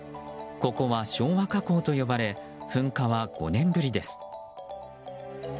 ここは昭和火口と呼ばれ噴火は５年ぶりです。